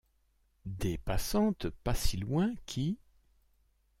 Des passantes pas si loin qui.